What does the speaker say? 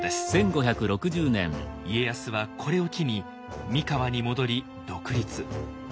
家康はこれを機に三河に戻り独立。